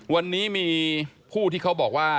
วันนี้มีผู้ที่เขาบอกว่า